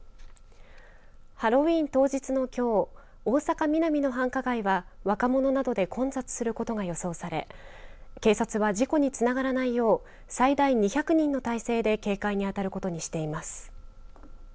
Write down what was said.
ハロウィーン当日のきょう大坂ミナミの繁華街は若者などで混雑することが予想され警察は事故につながらないよう最大２００人の体制で警戒にあたることにしています。